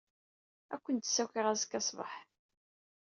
Ad aken-d-ssakiɣ azekka ssbeḥ.